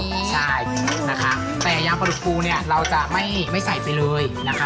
ใช่นะคะแต่ยางปลาดุกปูเนี่ยเราจะไม่ใส่ไปเลยนะคะ